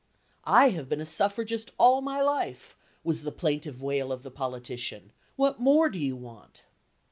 "I have been a suffragist all my life," was the plaintive wail of the politician; "what more do you want?"